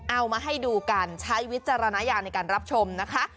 เอามาให้ดูกันใช้วิจารณญาณในการรับชมนะคะ